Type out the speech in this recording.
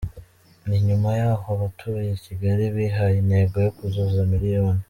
Ni nyuma y’aho abatuye i Kigali bihaye intego yo kuzuza miliyoni.